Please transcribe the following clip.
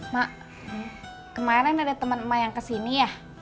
mak kemarin ada temen emak yang kesini ya